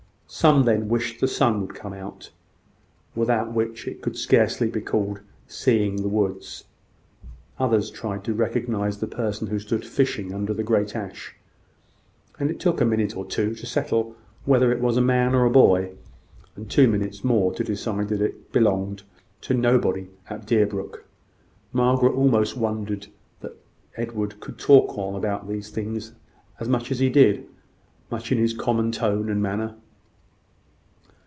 Some then wished the sun would come out, without which it could scarcely be called seeing the woods. Others tried to recognise the person who stood fishing under the great ash; and it took a minute or two to settle whether it was a man or a boy; and two minutes more to decide that it was nobody belonging to Deerbrook. Margaret almost wondered that Edward could talk on about these things as he did so much in his common tone and manner.